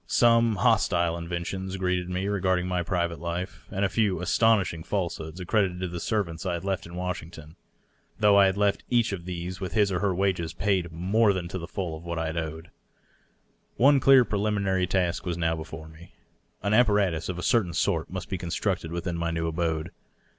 Some hostile inventions greeted me regarding my private life, and a few astonishing falsehoods accredited to the servants I had left in Washington — though I had left each of these with his or her wages paid more than to the full of what I had owed. One dear preliminary task was now before me. An apparatus of a CGrtsin sort must be constructed within my new abode.